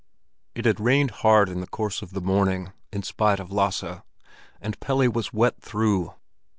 It had rained hard in the course of the morning, in spite of Lasse, and Pelle was wet through.